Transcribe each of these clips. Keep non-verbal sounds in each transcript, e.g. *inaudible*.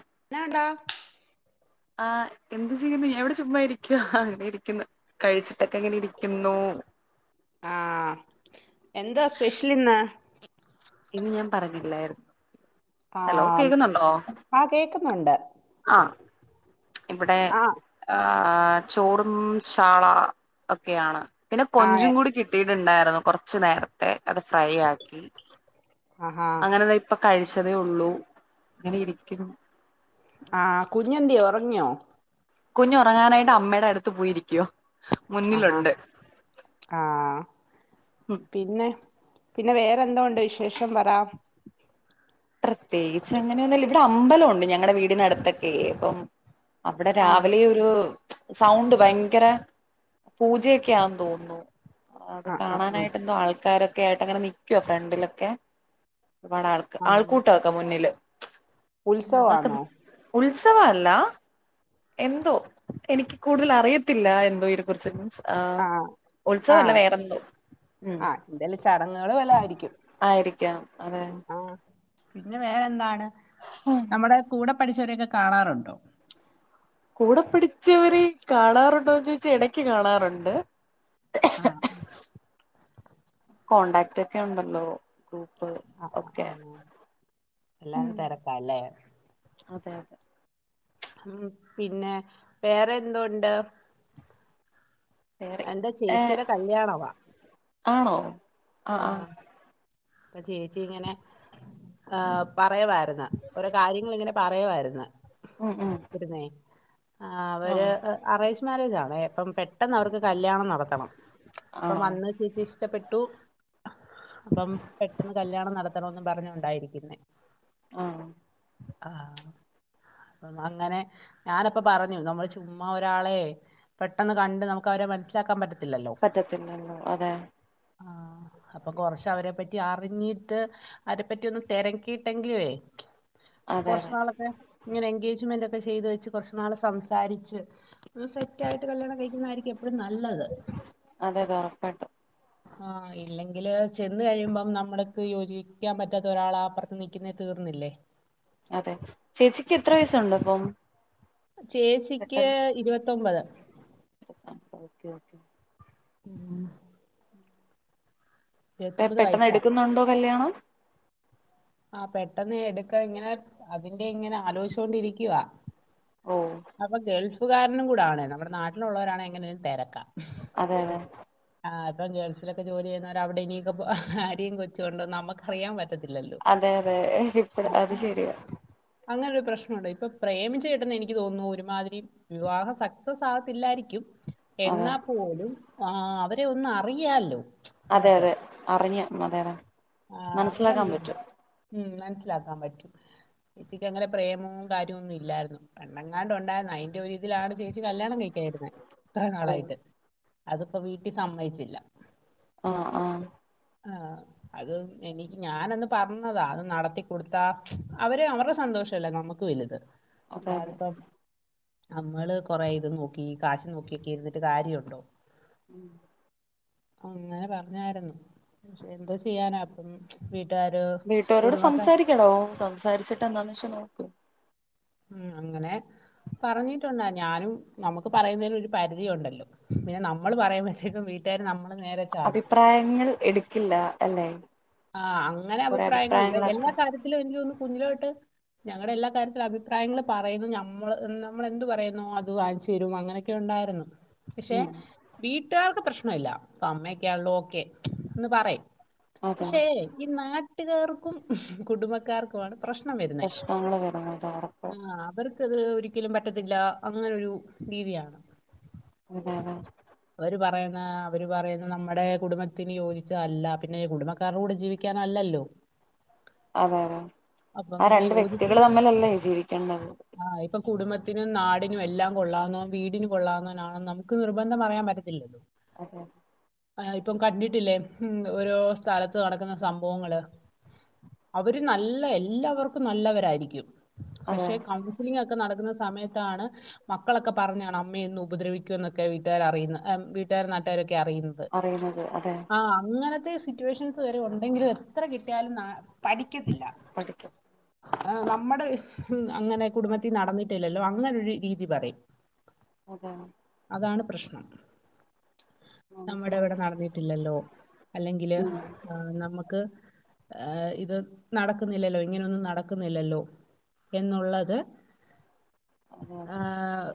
*unintelligible* ആ എന്ത് ചെയ്യുന്നു ഞാൻ ഇവിടെ ചുമ്മായിരിക്ക ഹ ഇങ്ങനെ ഇരിക്കുന്ന കഴിച്ചിട്ടൊക്കെ എങ്ങനെ ഇരിക്കുന്ന് ആഹ എന്താ സ്പെഷ്യലിന്ന് ഇന്ന് ഞാൻ പറഞ്ഞില്ലായിരുന്നു ആ ഹലോ കേക്കുന്നുണ്ടോ ആ കേക്കുന്നുണ്ട് ആ- ഇവിടെ ആ ആഹ ചോറും ചാള ഒക്കെയാണ് പിന്നെ ആ കൊഞ്ചും കൂടി കിട്ടിട്ടുണ്ടായിരുന്നു കൊറച്ച് നേരത്തെ അത് ഫ്രൈ ആക്കി ആഹാ അങ്ങനെതാ ഇപ്പൊ കഴിച്ചതേ ഉള്ളൂ ഇങ്ങനെ ഇരിക്കണു ആഹ കുഞ്ഞെന്തേ ഉറങ്ങിയോ കുഞ്ഞ് ഉറങ്ങാനായിട്ട് അമ്മയുടെ അടുത്ത് പോയിരിക്കുവാ ആഹാ മുന്നിലുണ്ട് ആ ഉം പിന്നെ പിന്നെ വേറെന്തോണ്ട് വിശേഷം പറ പ്രത്യേകിച്ച് അങ്ങനൊന്നില്ല ഇവിടെ അമ്പല ഒണ്ട് ഞങ്ങടെ വീടിനടുത്തൊക്കെ ഇപ്പം അവിടെ ആ രാവിലെ ഒരു സൗണ്ട് ഭയങ്കര പൂജയൊക്കെയാന്ന് തോന്നുന്നു അത് ആ ആ ആ കാണാനായിട്ട് എന്തോ ആൾക്കാരൊ ക്കേട്ടങ്ങനെ നിക്ക്യാ ഫ്രണ്ടിലൊക്കെ ഒരുപാട് ആൾക്ക് ആ ആൾക്കൂട്ടൊക്കെ മുന്നില് അതക്ക ഉത്സവാന്നോ ഉൾ ത്സവല്ല എന്തോ എനിക്ക് കൂടുതൽ അറിയത്തില്ല എന്തോ അതിനെക്കുറിച്ചൊന്നും ആ ആ ഉത്സവവല്ല വേറെന്തോ ഉം ആ എന്തേലും ചടങ്ങുകൾ വെല്ലോ ആയിരിക്കും ക്കാം അതെ ആ പിന്നെ വേറെന്താണ് നമ്മുടെ കൂടെ പഠിച്ചവരയൊക്കെ കാണാറുണ്ടോ കൂടെ പടിച്ചവര് കാണാറുണ്ടോന്ന് ചോയ്ച്ചാ എടക്ക് കാണാറുണ്ട് ആ കോൺടാക്ട്ക്കെ ഒണ്ടല്ലോ ആ ആ ആ എല്ലാരും ഉം തെരക്കാല്ലേ അതെ അതെ ഉം പിന്നെ വേറെ എന്തുണ്ട് വേറെ എന്റെ ഏ ചേച്ചിയുടെ കല്യാണവാ ആണോ ആ അപ്പ ചേച്ചിങ്ങനെ ആ പറയുവായിരുന്ന് ഓരോ കാര്യങ്ങള് ഇങ്ങനെ പറയുവായിരുന്ന് ഉം ഉം ഇരുന്നേ ആ അവര് അറേഞ്ച് മേരേജാണേ അപ്പം പെട്ടെന്ന് അവർക്ക് കല്യാണം നടത്തണം അപ്പം ആണോ വന്ന് ചേച്ചിയെ ഇഷ്ടപ്പെട്ടു അപ്പം പെട്ടെന്ന് കല്യാണം നടത്തണോന്ന് പറഞ്ഞോണ്ടായിരിക്കുന്നേ ആ ആ അപ്പം അങ്ങനെ ഞാനപ്പ പറഞ്ഞു നമ്മള് ചുമ്മാ ഒരാളെ പെട്ടെന്ന് കണ്ട് നമുക്ക് അവരെ മനസ്സിലാകാൻ പറ്റത്തി പറ്റത്തില്ലല്ലോ അതെ ആഹ് അപ്പൊ കൊറ്ച്ച വരെ പറ്റി അറിഞ്ഞിട്ട് അവരെ പറ്റി ഒന്ന് തെരക്കിയിട്ടെങ്കിലുവേ അതെ കൊറച്ച് അതെ നാളൊക്കെ ഇങ്ങനെ എൻഗേജ്മെന്റ് ഒക്കെ ചെയ്ത് വെച്ച് കൊറച്ചു നാള് സംസാരിച്ച് ഒന്ന് സെറ്റ് ആയിട്ട് കല്യാണം കഴിക്കുന്നതായിരിക്കും എപ്പഴും നല്ലത് അതെ അതെ ഉറപ്പായിട്ടും ആ ഇല്ലെങ്കില് ചെന്ന് കഴിയുമ്പം നമ്മൾക്ക് യോജിക്കാൻ പറ്റാത്ത ഒരാളാ അപ്പറ്ത്ത് നിക്കുന്നെ തീർന്നില്ലേ അതെ ചേച്ചിക്ക് എത്ര വയസുണ്ടിപ്പം ചേച്ചിക്ക് ഇരുവത്തൊമ്പത് ഓക്കെ ഓക്കെ ഉ പെ പെട്ടെന്ന് വയസ്സാ എടുക്കുന്നുണ്ടോ കല്യാണം പെട്ടെന്ന് എടുക്കാ ഇങ്ങനെ അതിന്റെ ഇങ്ങനെ ആലോചിച്ച് കൊണ്ടിരിക്കുവാ ഓ അപ്പ ഗൾഫുകാരനും കുടാണ് നമ്മുടെ നാട്ടിലുള്ളവരാണേ എങ്ങനെങ്കിലും തെര അതെ അതെ ആ അപ്പ ഗൾഫിലൊക്കെ ജോലിചെയ്യുന്നവരവിടിനിക്ക ഭാര്യേം കൊച്ചുവൊണ്ടെന്ന് നമ്മക്കറിയാൻ പറ്റ അതെ അതെ ഇപ്പ അത് ശരിയാ അങ്ങനെ ഒരു പ്രശ്നുണ്ട് ഇപ്പ പ്രേമിച്ചു കെട്ട്ന്നെ എനിക്ക് തോന്നുന്നു ഒരുമാതിരി വിവാഹം സക്സസാവത്തില്ലായിരിക്കും അതെ എന്നാ പോലും ആ അവരെ ഒന്ന് അറിയാല്ലോ അതെ അതെ അറിഞ്ഞു അതെ അതെ ആ, മനസ്സിലാക്കാൻ പറ്റും മനസിലാക്കാൻ പറ്റും ചേച്ചിക്കങ്ങനെ പ്രേമോം കാര്യോം ഒന്നും ഇല്ലായിരുന്നു പണ്ടങ്ങാണ്ട് ഒണ്ടായിരുന്നു അ യ്ന്റൊരു ഇതിലാണ് ചേച്ചി കല്യാണം കഴിക്കാതിരുന്നെ ഇത്രേം ഓ നാളായിട്ട് അതിപ്പോ വീ ട്ടി സമ്മയ്ച്ചില്ല ആ ആ ആ അത് എനി ഞാനന്ന് പറഞ്ഞതാ അത് നടത്തി കൊടുത്താ അവര് അവരുടെ സന്തോ ന്തോഷല്ലേ നമ്മുക്ക് വലുത് അതെ അതെ അല്ലാതിപ്പം നമ്മള് കൊറെയിത് നോക്കി കാശ് നോക്കിയോക്കി ഇരുന്നിട്ട് കാര്യണ്ടോ? ഉം അങ്ങനെ പറഞ്ഞേര്ന്നു എന്തോ ചെയ്യാനാ അപ്പൊ വീ വീട്ടുകാരോട് സംസാരിക്കെടോ സംസാരിച്ചിട്ട് എന്തോന്നച്ചാ നോക്ക്‌. ഉം അങ്ങനെ പറഞ്ഞിട്ടുണ്ട് ഞാനും നമുക്ക് പറയുന്നതിനൊരു പരിധിയുണ്ടല്ലോ പിന്നെ നമ്മള് പറയുബോത്തോയ്ക്ക് വീ ട്ടേര് നമ്മക്ക് അഭിപ്രായങ്ങൾ എടുക്കില്ല അല്ലെ? ആ അങ്ങനെ കൊറെ അഭിപ്രായങ്ങളില്ല എല്ലാ അഭിപ്രായങ്ങളൊക്കെ കാര്യത്തിലും എനിക്കൊന്ന് കുഞ്ഞിലോട്ട് ഞങ്ങടെ എല്ലാ കാര്യത്തിലും അഭിപ്രായങ്ങള് പറയുന്നു ഞമ്മൾ നമ്മൾ എന്ത് പറയുന്നോ അത് വാങ്ങിച്ചേരും അങ്ങനെയൊക്കെയു ണ്ടാരുന്നു. പഷേ ഉം വീട്ടാർക്ക് പ്രശ്നെല്ല അമ്മക്കെള്ളോക്കെ ന്ന് പറയും. അതെ പഷേ ഈ നാട്ടുകാർക്കും കുടുംബക്കാർക്കും ആണ് പ്രശ്ണം വരുന്നേ പ്രശ്നങ്ങള് വരുന്നത് ഉറപ്പ് ആഹ് അവർ ത് ഒരിക്കലും പറ്റത്തില്ലാ അങ്ങനൊരു രീതിയാണ്. അതെ അതെ ആ അവര് പറയുന്നത് നമ്മടെ കുടുംബത്തിന് യോജിച്ച അല്ല പിന്നെ കുടുംബ ക്കറോട് ജീവിക്കാനല്ലല്ലോ? അതെ അതെ അപ്പം ആ രണ്ട് വ്യക്തികള് തമ്മിലല്ലേ ജീവിക്കേണ്ടത്? ആ ഇപ്പൊ കുടുംബത്തിനും നാടി നും എല്ലാം കൊള്ളാവുന്നോൻ വീടിന് കൊള്ളാവുന്നോനാണെന്ന് നമുക്ക് നിർബന്ധം പറയാൻ പറ്റത്തില്ലല്ലോ? അതെ. ആ ഇപ്പം കണ്ടിട്ടില്ലേ ഉം ഓരോ സ്ഥലത്ത് നടക്കുന്ന സംഭവങ്ങള്. അവര് നല്ല എല്ലാവർക്കും നല്ലവരായിരിക്കും. അതെ ലിങ്ങൊക്കെ നടക്കുന്ന സമയത്താണ് മക്കളൊക്കെ പറഞ്ഞേക്കണേ അമ്മേ എന്നും ഉപദ്രവിക്കുന്നൊക്കെ വീട്ടുകാർ അറിയുന്നെ അ വീട്ടാരും നാട്ടാരൊക്കെ അറിയുന്നത് അറിയുന്നത് അതെ ആഹ് അങ്ങനെ *unintelligible* ഈ സിറ്റുവേഷൻസ് വരെ ഒണ്ടെങ്കിലും എത്ര കിട്ടിയാലും നാ പഠിക്കത്തില്ല. പഠിക്കും ആ നമ്മടെ അങ്ങനെ കുടുംബത്തി നടന്നിട്ടില്ലല്ലോ അങ്ങനൊരു രീതി പറിയും അതെ അതാണ് പ്രശ്നം. നമ്മടെ ഇവിടെ മനസ്സിലാവും നടന്നിട്ടില്ലല്ലോ? അല്ലെങ്കില് ഉം ആ നമ്മക്ക് ഏഹ് ഇത് നടക്കുന്നില്ലല്ലോ ഇങ്ങനൊന്നും നടക്കുന്നില്ലല്ലോ? എന്നുള്ളത് അതെ അതെ ആഹ്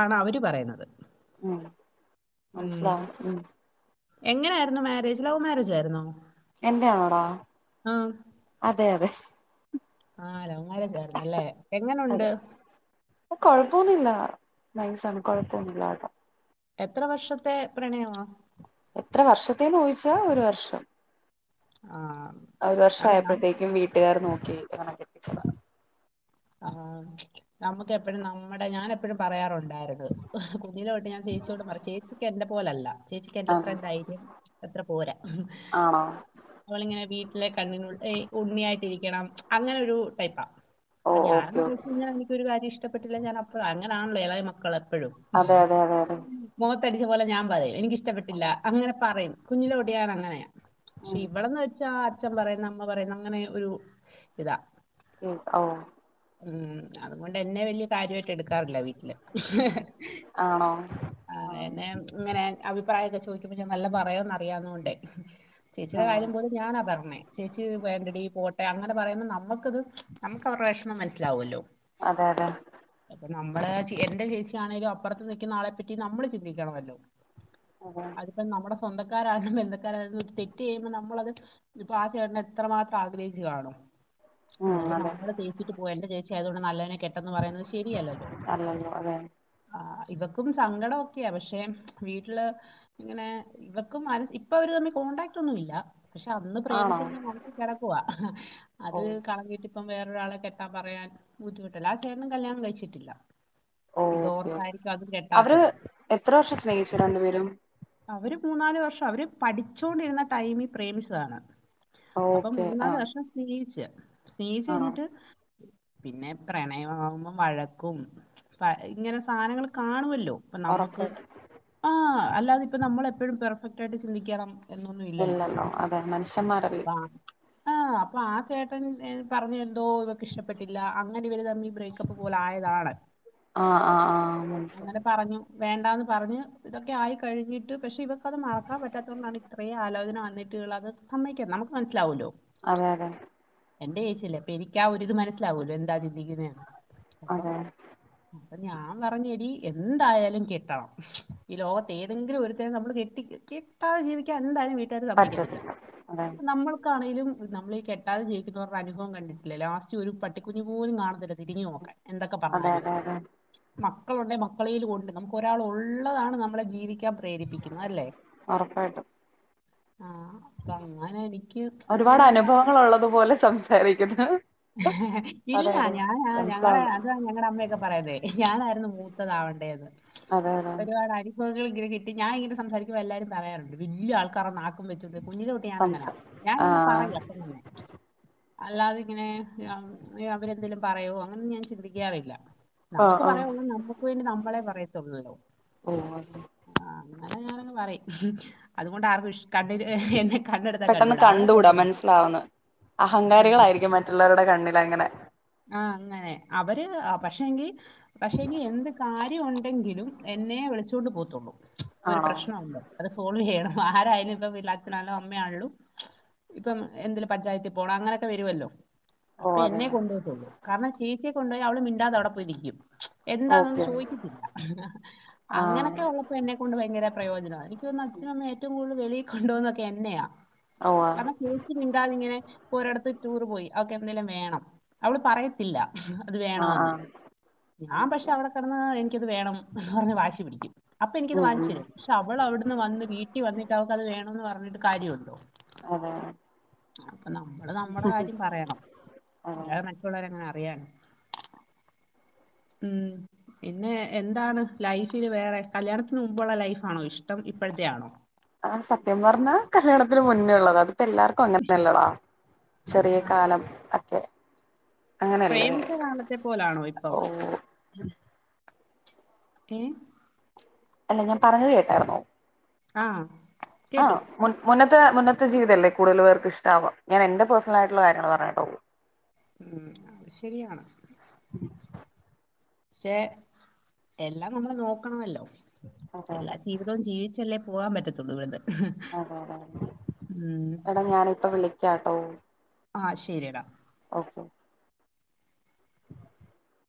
ആണ് അവര് പറയുന്നത്. ഉം മനസ്സിലാവും ഉം എങ്ങനാരുന്നു മാരേജ് ലൗവ് മാരേജ് ആയിരുന്നോ? എന്റെയാണോടാ ആഹ് അതെയതെ. ആഹ് ലൗവ് മാരേജാരുന്നൂല്ലേ എങ്ങനുണ്ട്? അതെ കൊഴപ്പൊന്നുല്ല നൈസാണ് കൊഴപ്പൊന്നുല്ല അവിടെ എത്ര വർഷത്തെ പ്രണയമാ? എത്ര വർഷത്തേ ചോയിച്ചാ ഒരു വർഷം. ആഹ് ആ ഒരു അത് വർഷായപ്പഴ്ത്തേക്കും വീട്ടുകാര് നോക്കി അങ്ങനെ കെട്ടിച്ചതാ. നമ്മക്കെപ്പഴും നമ്മടെ ഞാനെപ്പെഴും പറയാറുണ്ട് ഉണ്ടാരുന്നു കുഞ്ഞിലെ തൊട്ട് ഞാൻ ചേച്ചിയോടും പറയും ചേച്ചിക്ക് എൻ്റെ പോലല്ല ചേച്ചിക്ക് അതെ എൻ്റത്രേം ധൈര്യം അത്ര പോരാ ആണോ അവളിങ്ങനെ വീ ലെ കണ്ണിനു ഏ ഉണ്ണിയായിട്ടിരിക്കണം അങ്ങനൊരു ടൈപ്പ. ഓ പ്പൊ ഓക്കെ ഞാനെന്നാ ഓക്കെ വിളിച്ച് *unintelligible* കാര്യഷ്ടപ്പെട്ടില്ല ഞാനപ്പ അങ്ങനാണല്ലോ ഏളയ മക്കള്. പ്പഴും അതെ അതെ അതെ അതെ മോ ത്തടിച്ച പോലെ ഞാൻ പറയും. എനിക്കിഷ്ടപ്പെട്ടില്ല അങ്ങനെ പറയും കുഞ്ഞിലോട്ട് ഞാനങ്ങനെയാ.. ക്ഷി ഉം ഇവടെന്നെച്ചാ അച്ഛൻ പറയുന്ന അമ്മ പറയുന്ന അങ്ങനെയൊരു ഇതാ. എ ഓ ഉം അതുകൊണ്ട് എന്നെ വല്യ കാര്യായിട്ട് എടുക്കാറില്ല വീട്ടില് ആണോ ആ ആഹ് എന്നെ ഇങ്ങനെ അഭിപ്രായൊക്കെ ചോയ്ക്കുമ്പോ ഞാൻ നല്ലം പറയൂന്ന് അറിയാന്നൊണ്ടേ ചേച്ചിടെ കാര്യം അതെ പോലും ഞാനാ പർഞ്ഞേ ചേച്ചി വേണ്ടടി പോട്ടെ അങ്ങനെ പറയുമ്പം നമ്മക്ക്ത് ന അവരെ വിഷമം മനസിലാവല്ലോ അതെ അതെ നമ്മള് ചേ എന്റെ ചേച്ചിയാണെലും അപ്പറത്ത് നിക്കുന്ന ആളെ പറ്റി നമ്മള് ചിന്തിക്കണമല്ലോ അതെ അതിപ്പോ നമ്മുടെ സ്വന്തക്കാരാണ ബന്തുക്കാരണ തെറ്റെയ്യുമ്പോ നമ്മളത് ഇപ്പോ ആ ചേട്ടന് എത്രമാത്രം ആഗ്രഹിച്ചു കാണും ഉം എന്നിട്ട് ന അതെ ഇട്ട്ട്ട്പോയെ എന്റെ ചേച്ചി ആയതോണ്ട് നല്ലെനെ കെട്ടെന്ന് പറയുന്നത് ശെരിയല്ലല്ലോ അല്ലല്ലോ അതെ ആ ഇവക്കും സങ്കടം ഒക്കെയാ പക്ഷെ വീട്ടില് ഇങ്ങനെ ഇവക്കും മനസ് ഇപ്പൊ ഇവര് തമ്മി കോ ൺടാക്ട് ഒന്നുല്ല പക്ഷേ അന്ന് ആണോ പ്രേമിച്ചതന്നെ മനസ്സിൽ കിടക്കുവാ ഓ അത് കളഞ്ഞിട്ട് ഇപ്പോ വേറെ ഒരാളെ കെട്ടാൻ പറയാൻ ബുദ്ധിമുട്ടല്ലെ ആ ചേട്ടനും കല്യാണം കഴിച്ചിട്ടില്ല ഓ ഓക്കെ ഓക്കെ ഇതോർത്തായിരിക്കും അതും അവര് കെട്ടാത്തത് എത്ര വർഷം സ്നേഹിച്ചു രണ്ടു പേരും അവര് മൂന്നാല് വർഷം അവര് പഠിച്ചോണ്ടിരുന്ന ടൈമി പ്രേമിച്ചതാണ് അപ്പൊ ഓക്കെ ആ മൂന്നാല് വർഷം സ്നേഹിച്ച് ആണോ സ്നേഹിച്ചഴിഞ്ഞിട്ട് പിന്നെ പ്രണയമാകുമ്പോം വഴക്കും ഇങ്ങനെ സാനങ്ങൾ കാണുവല്ലോ ഇപ്പ നമ്മുക്ക് ഉറപ്പായിട്ടും ആ അല്ലാതെ ഇപ്പ നമ്മളെപ്പോഴും പെർഫെക്ട് ആയിട്ട് ചിന്തിക്കണം എന്നൊന്നും ഇല്ലല്ലോ അതെ മനുഷ്യന്മാരല്ലേ അപ്പ ആ അപ്പൊ ആ ചേട്ടൻ പർഞ്ഞേ എന്തോ ഇവക്ക് ഇഷ്ടപ്പെട്ടില്ല അങ്ങനെ ഇവര് തമ്മി ബ്രേക്കപ്പ് പോലെ ആയതാണ്. ആ ആ ആ അങ്ങനെ മനസ്സിലായി പറഞ്ഞു വേണ്ടാന്ന് പറഞ്ഞ് ഇതൊക്കെ ആയി കഴിഞ്ഞ് പക്ഷെ ഇവക്കത് മറക്കാൻ പറ്റാത്തത് കൊണ്ടാണ് ഇത്രേം ആലോചന വന്നിട്ടു ഇവളത് സമ്മയ്ക്കാത്തത് നമുക്ക് മനസ്സിലാവല്ലോ അതെ അതെ എന്റെ ഏച്ചിയല്ലേ അപ്പൊ എനിക്കാ ഒരിത് മനസ്സിലാവല്ലോ എന്താ ചിന്തിക്കുന്നേന്ന് അതെ ഞാ പറഞ്ഞെടി എന്തായാലും കെട്ടണം ഈ ലോകത്ത് ഏതെങ്കിലു ഒരു ത്തനെ നമ്മള് കെട്ടി കെട്ടാതെ ജീവിക്കാൻ എന്തായാലും വീട്ടാര് സമ്മയ്ക്കത്തില്ല പറ്റത്തില്ല അതെ നമ്മൾക്കാ ണേലും നമ്മള് ഈ കെട്ടാതെ ജീവിക്കുന്നവർടെ അനുഭവം കണ്ടിട്ടില്ലെ ലാസ്റ്റ് ഒരു പട്ടിക്കുഞ്ഞു പോലും കാണ ത്തില്ല തിരിഞ്ഞു നോക്കൻ എന്തൊക്കെ അതെ പറഞ്ഞാലും അതെ അതെ മക്കളൊണ്ടേ മക്കളേലും ഒണ്ട് നമുക്ക് ഒരാള് ഒള്ളതാണ് നമ്മളെ ജീവിക്കാൻ ക്കുന്നത് അല്ലേ ഉറപ്പായിട്ടും ആ അപ്പൊ അങ്ങനെ എനിക്ക് ഒരുപാട് അങ്ങനെ പ- അനുഭവങ്ങൾ ഉള്ളത് പോലെ സംസാരിക്കുന്നു അതെ ഇല്ലാ അതെ ഞാനാ ഞങ്ങള മനസ്സിലാവുന്നു അതാ ഞങ്ങടെ അമ്മയൊക്കെ പറയുന്നേ ഞാനായിരുന്നു മൂ ത്തതാവണ്ടേന്ന് അതെ അതെ ഒരുപാട് അനുഭവങ്ങള് ഞാ ഇങ്ങനെ സംസാരിക്കുമ്പം എല്ലാരും പറയാറുണ്ട് വല്യ ആൾക്കാരെ നാക്കും വെച്ചോണ്ട് കുഞ്ഞിലൊട്ട് ഞാൻ അങ്ങനാ സംസാ ഞാനിങ്ങനെ ആഹ് പറയും അപ്പൊ തന്നെ അല്ലാതെ ഇങ്ങനെ അയ്യോ അവരെന്തേലും പറയോ അങ്ങനൊന്നും ഞാൻ ചിന്തിക്കാറില്ല ആഹ് നമുക്ക് ആഹ് പറയാള്ളത് നമ്മുക്ക് വേണ്ടി നമ്മളെ പറയത്തൊള്ളല്ലോ ഓ അ അങ്ങനെ ഞാനങ് പറയും അതുകൊണ്ട് ആർക്കും ഇഷ് കണ്ണിന് എന്നെ കണ്ണെടുത്താ പെട്ടെന്ന് കണ്ടുകൂടാ. അവളെ കണ്ടൂടാ ഭയങ്കര ഇതാ. മൻസ്സിലാവുന്നേ ഉം. അഹങ്കാരികളായിരിക്കും മറ്റുള്ളവരുടെ കണ്ണില് അങ്ങനെ പക്ഷെങ്കി പക്ഷെങ്കി എന്ത് കാര്യവൊണ്ടെങ്കിലും എന്നെ വിളിച്ചൊണ്ട് പോവത്തുള്ളൂ ഇപ്പൊ ഒരു ആണോ പ്രശ്നുണ്ട് അത് സോൾവെയ്യണം ആരായാലും ഇപ്പം വീട്ടില് അച്ഛനാൺലും അമ്മയാൺലും ഇപ്പം എന്തിലും പഞ്ചായത്തി പോണം അങ്ങനൊക്കെ വരുവല്ലോ അപ്പേ ഓ അതെ എന്നെ കൊണ്ടുപോവത്തൊള്ളൂ കാരണം ചേച്ചിയെ കൊണ്ടോയ അവള് മിണ്ടാതെ അവിടെപോയിരിക്കും എന്താണൊന്ന് ഓക്കെ ചോയ്ക്കത്തില്ല ആഹ് അങ്ങനൊക്കെ ഒള്ളപ്പോ എന്നെ കൊണ്ട് ഭയങ്കര പ്രയോജനാ എനിക്കോന്ന്ന്നു അച്ഛനുഅമ്മിം ഏറ്റവും കൂടുതൽ വെളി കൊണ്ടോന്നൊക്കെ എന്നെയാ ഓ ആഹ് കാരണം ചേച്ചി മിണ്ടാതിങ്ങനെ ഇപ്പൊ ഒരടത്ത് ടൂറ് പോയി അവക്ക് എന്തെലും വേണം അവള് പറയത്തില്ല അത് ആഹ് വേണമന്ന് ആഹ് ഞാൻ പക്ഷെ മനസ്സിലായി അവിടെ കിടന്ന് എനിക്കത് വേണം എന്ന് പറഞ്ഞ് വാശി പിടിക്കും അപ്പൊ എനിക്കത് ഉം ഉം വാങ്ങിച്ച്തരും പക്ഷെ അവളവിടുന്ന് വന്ന് വീട്ടിൽ വന്നിട്ട് അവക്കത് വേണമെന്ന് പറഞ്ഞിട്ട് കാര്യമുണ്ടോ ആഹ് അപ്പൊ നമ്മള് നമ്മുടെ കാര്യം പറയണം അതെ അല്ലാതെ മറ്റുള്ളവരെങ്ങനെ അറിയാനാണ് ഉം പിന്നെ എന്താണ് ലൈഫില് വേറെ കല്യാണത്തിന് മുമ്പുള്ള ലൈഫാണോ ഇഷ്ടം ഇപ്പോഴത്തെയാണോ ആ സത്യം പറഞ്ഞാ കല്യാണത്തിന് മുന്നേയുള്ളത് അതിപ്പോ എല്ലാർക്കും അങ്ങനെന്നെയല്ലടാ ചെറിയ ആഹ്. കാലം ഒക്കെ അങ്ങനെയല്ലേ പ്രേമിച്ച കാലത്തെ പോലാണോ ഇപ്പൊ ഓ ഏഹ് അല്ല ഞാൻ പറഞ്ഞത് കേട്ടായിരുന്നോ ആ ആഹ് മുൻ മുന്നത്തെ ത്തെ മുന്നത്തെ ജീവിതല്ലേ കൂടുതൽ പേർക്ക് ഇഷ്ടവാ ഞാൻ എന്റെ പേ്സണൽ ആയിട്ടുള്ള കാര്യങ്ങള് പറഞ്ഞതാട്ടോ ഉം അത് ശരിയാണ് *inaudible* പക്ഷെ എല്ലാം നമ്മൾ നോക്കണമല്ലോ അതെ എല്ലാ അതെ ജീവിതവും ജീവിച്ചല്ലേ പോവാാൻ പറ്റത്തുള്ളൂ ഇവിടുന്ന് അതെ അതെ ഉം. എടാ ഞാനിപ്പോ വിളിക്കാട്ടോ ആഹ് ശരിയെടാ ഓക്കെ ഓക്കെ